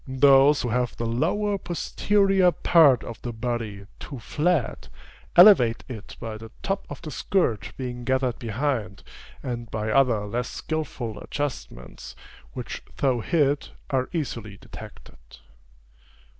Those who have the lower posterior part of the body too flat, elevate it by the top of the skirt being gathered behind, and by other less skilful adjustments, which though hid, are easily detected.